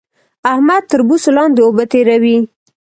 احمد تر بوسو لاندې اوبه تېروي